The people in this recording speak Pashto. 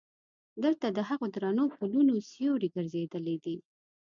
دلته د هغو درنو پلونو سیوري ګرځېدلی دي.